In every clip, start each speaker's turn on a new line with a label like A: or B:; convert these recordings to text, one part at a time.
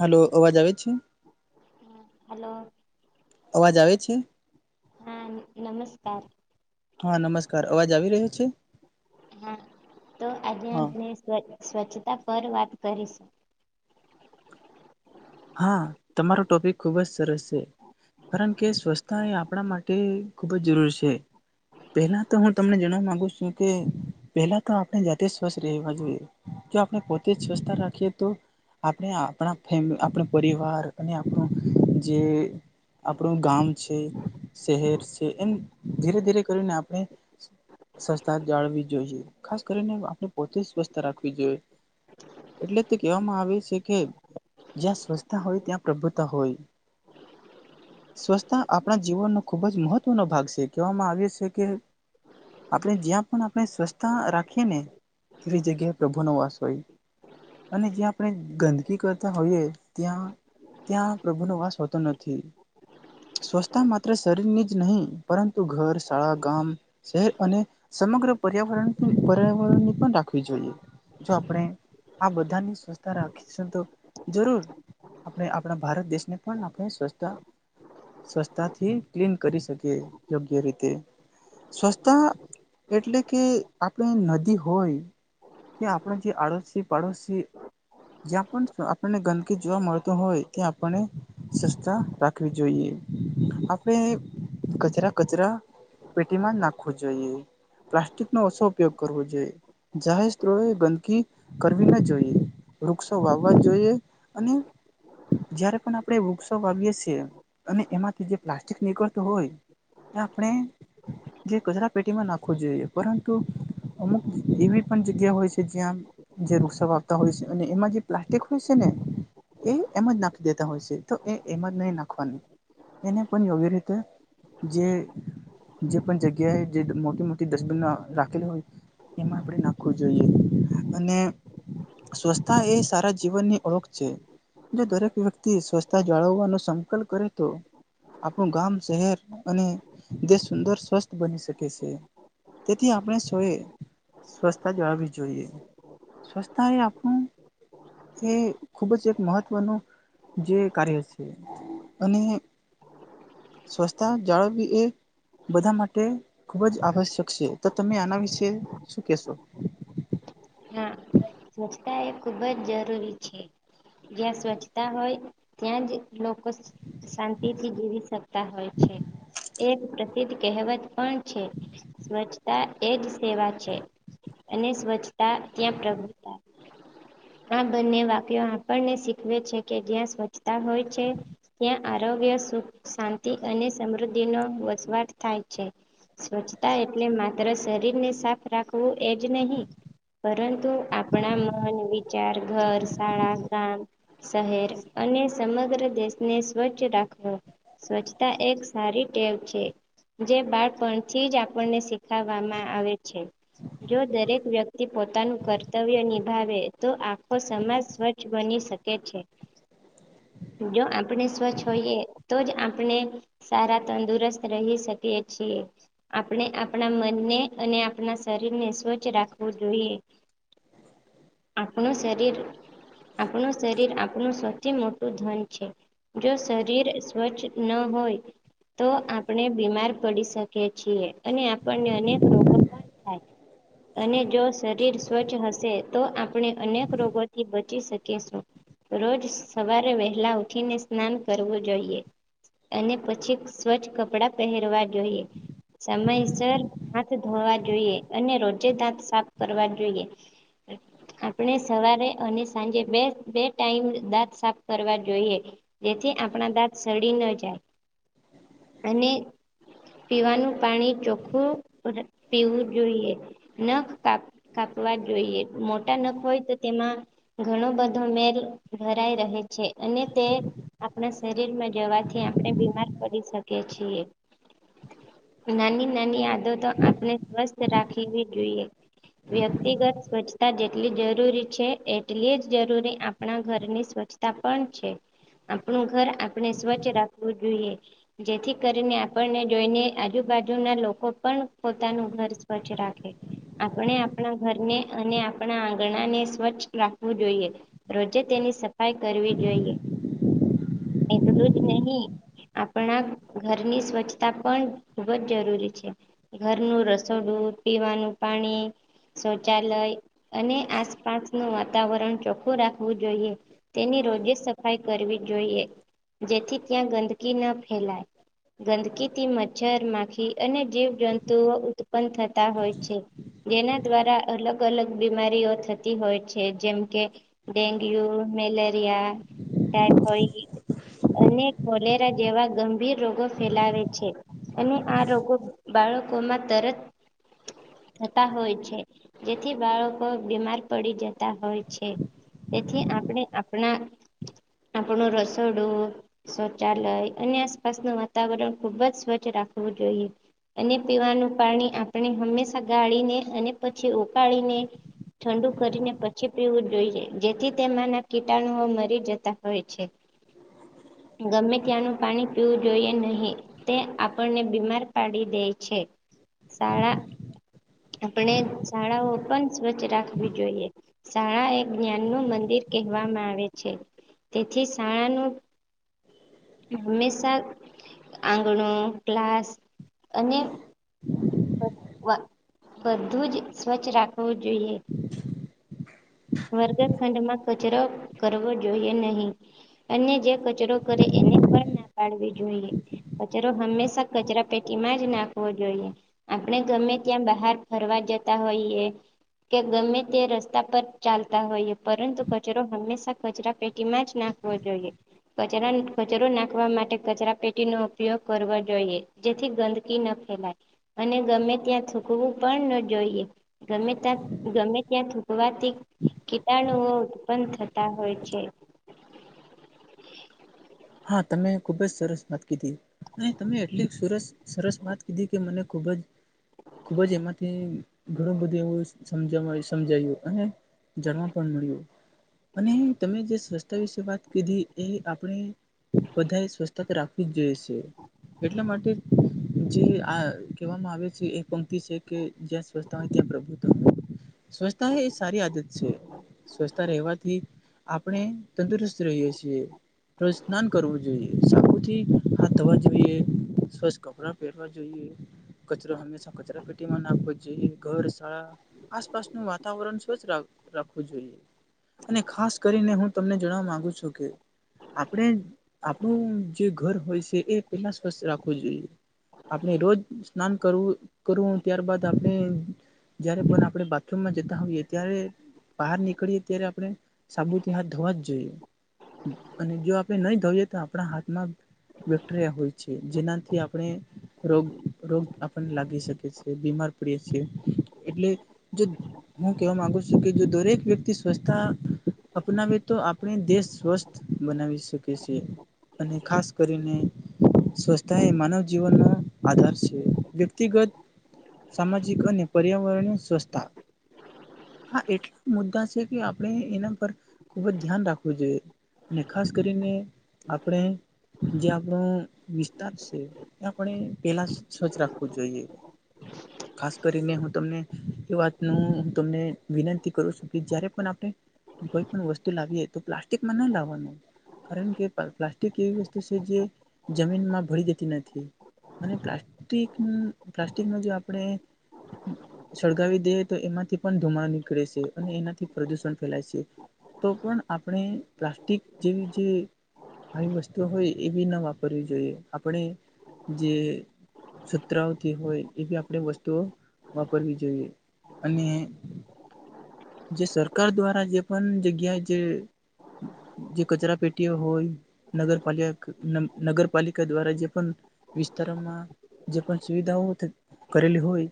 A: Hello અવાજ આવે છે?
B: હલો.
A: અવાજ આવે છે?
B: હા નમસ્કાર.
A: હા નમસ્કાર અવાજ આવી રહ્યો છે.
B: હા તો આજે
A: હા
B: આપણે સ્વચ્છતા પર વાત કરીશું
A: હા તમારો ટોપિક ખુબ જ સરસ છે. કારણ કે સ્વચ્છતા એ આપણા માટે ખુબ જ જરૂરી છે. પહેલા તો હું તમને જણવા માગુ છું કે પહેલા તો આપણે જાતે સ્વચ્થ રહેવા જોઈએ. જો આપણે પોતે જ સ્વસ્તા રાખીએ તો આપણે આપણા ફેમ આપણો પરિવાર અને આપણો જે આપણું ગામ છે શહેર છે એમ ધીરે ધીરે કરીને આપણે સસ્તા જાળવી જોઈએ ખાસ કરીને આપણે પોતે જ સ્વસ્થ રાખવી જોઈએ. એટલે તે કેહેવામાં આવે છે કે જ્યાં સ્વચ્છતા હોય ત્યાં પ્રભુતા હોય. સ્વચ્છતા આપણા જીવનનો ખૂબ જ મહત્વનો ભાગ છે કહેવામાં આવે છે કે આપણે જ્યાં પણ આપણે સ્વચ્છતા રાખીએ ને એવી જગ્યાએ પ્રભુ નો વાસ હોય અને જે આપણે ગંદકી કરતા હોએ ત્યાં ત્યાં પ્રભુનો વાસ હોતો નથી. સ્વસ્થતા માત્ર શરીરની જ નહીં પરંતુ ઘર શાળા ગામ શહેર અને સમગ્ર પર્યાવરણ પર્યાવરણની પણ રાખવી જોઈએ. જો આપણે આ બધાની સ્વસ્થતા રાખીશું તો જરૂર આપણે આપણા ભારત દેશને પણ આપણે સ્વચ્છતા સ્વચ્છતા થી ક્લીન કરી શકે યોગ્ય રીતે સ્વચ્છતા એટલે કે આપણે નદી હોય કે આપણે જે આડોશી પાડોશી જ્યા પણ આ આપણને ગંદકી જોવા મળતું હોય ત્યા આપણને- - સસ્તા રાખવી જોઈએ આપણે કચરા કચરા પેટીમાં જ નાખવું જોઈએ પ્લાસ્ટિક નો ઓછો ઉપયોગ કરવો જોઈએ. જાહેર સ્ત્રો ગંદકી કરવી ના જોઈએ વૃક્ષો વાવવા જોઈએ અને જયારે પણ આપણે વૃક્ષો વાવીએ છીએ અને એમાંથી જે પ્લાસ્ટિક નીકળતું હોય આપણે જે કચરા પેટીમાં નાખવું જોઈએ પરંતુ અમુક એવી પણ જગ્યા હોય છે જ્યાં જે વૃક્ષો આવતા હોય છે અને એમાં જે પ્લાસ્ટિક હોય છે. ને એ એમાં જ નાખી દેતા હોય છે તો એ એમાં જ નહી નાખવાની. એને પણ યોગ્ય રીતે જે જે પણ જગ્યાએ જે મોટી મોટી ડસ્ટબિન રાખેલ હોય એમાં આપણે નાખવું જોઈએ અને સ્વરછતા એ સારા જીવનની ઓળખ છે જો દરેક વ્યક્તિ સ્વચછતા જાળવવાનો સંકલ્પ કરે તો- - આપણું ગામ શહેર અને દેશ સુંદર સ્વસ્થ બની શકે છે. તેથી આપણે સોએ સ્વચ્છતા જાળવવી જોઈએ. સ્વસ્થતા એ આપડુ કે- - ખુબ જ એક મહત્વનું જે કાર્ય છે અને- - સ્વસ્થતા જાળો ભ બધા માટે ખુબ જ આવશ્યક છે તો તમે આના વિશે શું કેશો?
B: હા સ્વચ્છતા એ ખુબ જ જરૂરી છે. જ્યાં સ્વચ્છતા હોય ત્યાં જ લોકો શાંતિથી જીવી શકતા હોય છે એક પ્રસિદ્ધ કહેવત પણ સ્વચ્છતા એજ સેવા છે અને સ્વચ્છતા ત્યાં પ્રગ આ બંને વાક્યો આપણને શીખવે છે કે જ્યાં સ્વચ્છતા હોય છે. ત્યાં આરોગ્ય સુખ શાંતિ અને સમૃદ્ધિનો વસવાટ થાય છે સ્વચ્છતા એટલે માત્ર શરીરને સાફ રાખવું એ જ નહીં પરંતુ આપણા મન વિચાર ઘર શાળા ગામ શહેર અને સમગ્ર દેશને સ્વચ્છ રાખવો સ્વચ્છતા એક સારી ટેવ છે જે બાળપણથી જ આપણને વામાં આવે છે જો દરેક વ્યક્તિ પોતાનું ઘર કરતવ્ય નિભાવે તો આખો સમાજ સ્વચ્છ બની શકે છે. જો આપણે સ્વચ્છ હોઈએ તો જ આપણે સારા તંદુરસ્ત રહી શકીએ છીએ આપણે આપણા મનને અને આપણા શરીર ને સ્વચ્છ રાખવું જોઈએ આપણું શરીર આપણું શરીર આપણું સૌથી મોટું ધન છે. જો શરીર સ્વચ્છ ન હોય તો આપણે બીમાર પડી શકી છીએ અને આપણને અનેક રોગો પણ [unintelligible] થ અને જો શરીર સ્વચ્છ હશે તો આપણે અનેક રોગોથી બચી શકીશું. રોજ સવારે વહેલા ઉઠીને સ્નાન કરવું જોઈએ અને પછી સ્વચ્છ કપડા પહેરવા જોઈએ સમયસર હાથ ધોવા જોઈએ અને રોજે દાંત સાફ કરવા જોઈએ આપણે સવારે અને સાંજે બે બે ટાઈમ દાંત સાફ કરવા જોઈએ જેથી આપણા દાંત સડી ન જાય અને પીવાનું પાણી ચોખ્ખું પીવું જોઈએ નખ કાપ કાપવા જોઈએ મોટા નખ હોય તો તેમાં ઘણો બધો મેલ ભરાઈ રહે છે અને તે આપણા શરીરમાં જવાથી આપણે બીમાર પડી શકી છીએ નાની નાની આદતો આપણે સ્વસ્થ રાખવી જોઈએ વ્યક્તિગત સ્વચ્છતા જેટલી જરૂરી છે એટલી જ જરૂરી આપણા ઘરની સ્વચ્છ [unintelligible] પણ છે આપણું ઘર આપણે સ્વચ્છ રાખવું જોઈએ જેથી કરીને આપણને જોઈને આજુબાજુના લોકો પણ પોતાનું ઘર સ્વચ્છ રાખે આપણે આપણા ઘરને અને આપણા આંગણાને સ્વચ્છ રાખવું જોઈએ રોજે તેની સફાઈ કરવી જોઈએ એટલું જ નહી આપણા ઘરની સ્વચ્છતા પણ ખૂબ જ જરૂરી છે. ઘરનું રસોડું પીવાનું પાણી શૌચાલય અને આસપાસનું વાતાવરણ ચોખ [unintelligible] રાખવું જોઈએ તેની રોજે સફાઈ કરવી જોઈએ જેથી ત્યાં ગંદકી ના ફેલાય ગંદકીથી મચ્છર માખી અને જીવ જંતુઓ ઉત્પન્ન થતા હોય છે. જેના દ્વારા અલગ અલગ બીમારીઓ થતી હોય છે જેમ કે, ડેગ્યુ, મેલેરિયા, ટાઈફોઈડ અને કોલેરા જેવા ગંભીર રોગો ફેલાવે છે. અને આ રોગો બાળકોમાં તરત થતા હોય છે. જેથી બાળકો બીમાર પડી જતા હોય છે. તેથી આપણે આપણા આપણું રસોડું શૌચાલય અને આસપાસનું વાતાવરણ ખુબ જ સ્વચ્છ રાખવું જોઈએ. અને પીવાનું પાણી આપણે હંમેશા ગાળીને અને પછી ઉકાળીને. ઠંડુ કરીને પછી પીવું જોઈએ. જેથી તેમાંના કીટાણુઓ મરી જતા હોય છે. ગમે ત્યાંનું પાણી પીવું જોઈએ નહીં. તે આપણને બીમાર પાડી દે છે. શાળા આપણે શાળાઓ પણ સ્વચ્છ રાખવી જોઈએ. શાળા એક જ્ઞાન નું મંદિર કહેવામાં આવે છે. તેથી શાળાનું. હંમેશાં આંગણો, ક્લાસ. અને. [inaudible] બધું જ સ્વચ્છ રાખવું જોઈએ. વર્ગખંડમાં કચરો કરવો જોઈએ નહીં. અને જે કચરો કરે એને પણ ના પાડવી જોઈએ. કચરો હંમેશા કચરા પેટીમાં જ નાખવો જોઈએ. આપણે ગમે ત્યાં બહાર ફરવા જતા હોઈએ. કે ગમે તે રસ્તા પર ચાલતા હોઈએ. પરંતુ કચરો હંમેશા કચરા પેટીમાં જ નાખવો જોઈએ. કચરા કચરો નાખવા માટે, કચરા પેટી નો ઉપયોગ કરવો જોઈએ. જેથી ગંદકી ન ફેલાય. અને ગમે ત્યાં થૂકવું પણ ન જોઈએ. ગમે ત ગમે ત્યાં થૂંક વાતી કીટાણુઓ ઉત્પન્ન થતા હોય છે.
A: હા! તમે ખુબજ સરસ વાત કીધી. અને તમે એટલી સરસ સરસ વાત કીધી કે, મને ખુબ જ. ખુબ જ એમાંથી, ઘણું બધું એવું સમજ સમજાયું અને. જાણવા પણ મળ્યું. અને તમે જે સ્વચ્છતા વિશે વાત કીધી. એ આપણે. બધા સ્વસ્થતા રાખવી જ જોઈએ છે. એટલા માટે જે આ કહેવામાં આવે છે. એ પંક્તિ છે કે. સ્વચ્છતા હોય ત્યાં પ્રભુતા.
B: [inaudible]
A: સ્વચ્છતા હૈ એ સારી આદત છે. સ્વચ્છતા રહેવાથી. આપણે તંદુરસ્ત રહીએ છીએ. રોજ સ્નાન કરવું જોઈએ. સાબુથી હાથ ધોવા જોઈએ. સ્વચ્છ કપડાં પહેરવા જોઈએ. કચરો હંમેશા કચરા પેટીમાં નાખવો જોઈએ. ઘર, શાળા આસપાસનું વાતાવરણ સ્વચ્છ રાખવું જોઈએ. અને ખાસ કરીને, હું તમને જણાવા માગુ છું કે. આપણે આપણું જે ઘર હોય છે. એ પેલા સ્વચ્છ રાખવું જોઈએ. આપણે રોજ સ્નાન કરવું કરવું ત્યારબાદ આપણે. જયારે પણ આપણે બાથરૂમમાં જતા હોઈએ. ત્યારે બહાર નીકળીએ ત્યારે, આપણે સાબુથી હાથ ધોવા જ જોઈએ. અને જો આપ નહી ધોઈએ તો આપણા હાથમાં બેક્ટેરિયા હોય છે. જેનાથી આપણે. રોગ રોગ આપણને લાગી શકે છે. બીમાર પડીએ છે એટલે. જો હું કેવા માંગુ છું કે, જો દરેક વ્યક્તિ સ્વચ્છતા. અપનાવે તો આપણી દેશ સ્વસ્થ બનાવી શકીએ. અને ખાસ કરીને. સ્વચસ્થતા એ માનવ જીવનનો આધાર છે વ્યક્તિગત. સામાજિક અને પર્યાવરણીય સ્વચ્છતા હા! એટલા મુદ્દા છે કે, આપણે એના પર ખુબ જ ધ્યાન રાખવું જોઈએ. અને ખાસ કરીને, આપણે જે આપણો વિસ્તાર છે. આપણે પેલા સજ રાખવું જોઈએ.
B: [inaudible]
A: ખાસ કરીને, હું તમને એ વાતનું હું તમને વિનંતી કરું છું, કે જ્યારે પણ આપણે. કોઈ પણ વસ્તુ લાવીએે તો પ્લાસ્ટિકમાં ના લાવવાનું કારણ કે પ્લાસ્ટિક એવી વસ્તુ છે જે જમીનમાં ભળ જતી નથી મ પ્લાસ્ટિક પ્લાસ્ટિક ન જો આપણેે
B: [inaudible]
A: સળગાવી દેએ તો એમાંથી પણ ધુમાડ નીકળે છે અને એનાથી પ્રદુષણ ફેલાય છે તો પણ આપણે પ્લાસ્ટિક જેવી જે આવી વસ્તુઓ હોય એ બી ના વાપરવી જોઈએ આપણે જે છત્રરાઓથી હોય એ બી આપણે વસ્તુઓ વાપરવી જોઈએ અને જે સરકાર દ્વારા જે પણ જગ્યા જે જે કચરા પેટીઓ હોય નગરપાલ નગરપાલિકા દ્વારા જે પણ વિસ્તારોમાં જે પણ સુવિધાઓ કરેલી હોય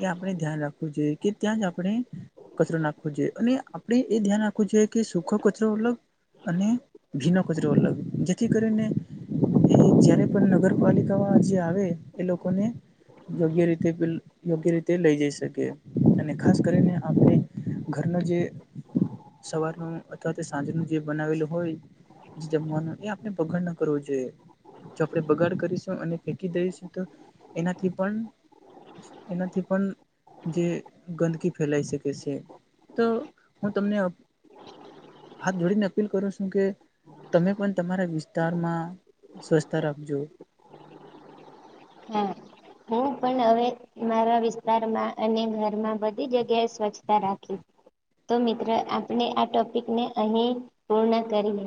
A: એ આપણે ધ્યાન રાખવું જોઈએ કે ત્યાં જ આપણે કચરો નાખવો જોઈએ અને આપણે એ ધ્યાન રાખવું જોઈએ કે સુૂખો કચરો મતલબ અને ભીનો કચરો અલગ જેથી કરીને એ જયારે પણ નગરપાલિકામાં જે આવે એ લોકોને યોગ્ય રીતે યોગ્ય રીતે લઈ જઈ શકે અને ખાસ કરીને આપણે ઘરનું જે સવાર ન અથવા તે સાંજ ન જે બનાવેલું હોય જે જમવાનું એ આપણે બગાડ ન કરવો જોઈએ જો આપડે બગાડ કરીશું અને ફેકી દઈશું તો એનાથી પણ એનાથી પણ જે ગંદકી ફેલાઈ શકે છે તો હું તમને હાથ જોડી ના અપીલ કરો છું કે તમે પણ તમારા વિસ્તારમાં સ્વચ્છતા રાખજો
B: હા હું પણ હવે મારા વિસ્તારમાં અને ઘરમાં બધી જગ્યાએ સ્વચ્છતા રાખી તો મિત્ર આપણે આ ટોપિકને અહી પૂર્ણ કરીએ